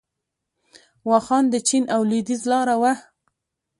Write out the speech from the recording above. واخان د چین او لویدیځ لاره وه